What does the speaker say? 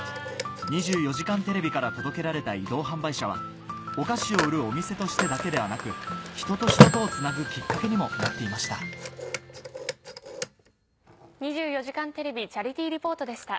『２４時間テレビ』から届けられた移動販売車はお菓子を売るお店としてだけではなく人と人とをつなぐきっかけにもなっていました「２４時間テレビチャリティー・リポート」でした。